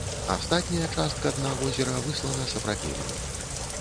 Астатняя частка дна возера выслана сапрапелем.